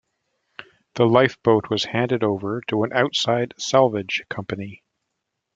The lifeboat was handed over to an outside salvage company.